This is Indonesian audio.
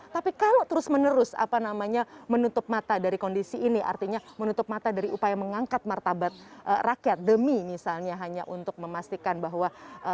tapi kalau terus menerus apa namanya menutup mata dari kondisi ini artinya menutup mata dari upaya mengangkat martabat rakyat demi misalnya hanya untuk memastikan bahwa